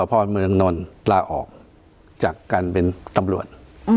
พอเมืองนนท์ลาออกจากการเป็นตำรวจ